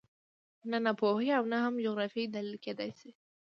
نه ناپوهي او نه هم جغرافیه دلیل کېدای شي